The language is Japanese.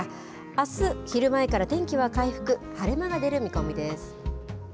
あす昼前から天気は回復、晴れ間が出る見込みです。